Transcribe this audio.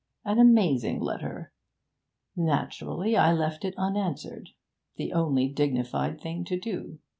An amazing letter! Naturally, I left it unanswered the only dignified thing to do.